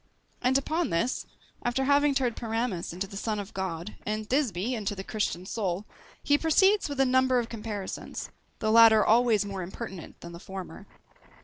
And upon this, after having turned Pyramus into the Son of God, and Thisbe into the Christian soul, he proceeds with a number of comparisons; the latter always more impertinent than the former.